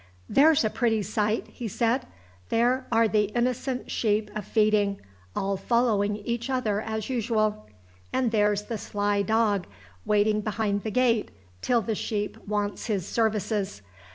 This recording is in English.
"There's a pretty sight," he said. "There are the innocent sheep a feeding all following each other as usual. And there's the sly dog waiting behind the gate till the sheep wants his services.